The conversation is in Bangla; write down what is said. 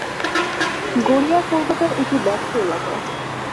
গড়িয়া কলকাতার একটি ব্যস্ত এলাকা।